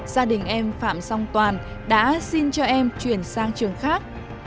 gia đình em phạm song toàn đã xin cho em chuyển sang trường khác